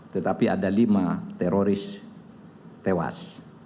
tetapi ada lima teroris tewas